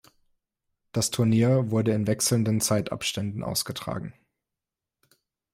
Das Turnier wurde in wechselnden Zeitabständen ausgetragen.